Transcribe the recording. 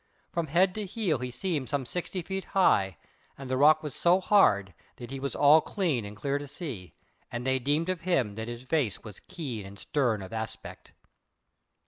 From head to heel he seemed some sixty feet high, and the rock was so hard, that he was all clean and clear to see; and they deemed of him that his face was keen and stern of aspect.